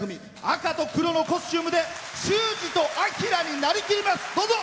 赤と黒のコスチュームで修二と彰になりきります。